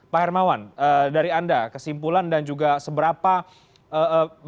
pak hermawan dari anda kesimpulan dan juga seberapa bahaya kalau kemudian kita tidak bisa mengejar target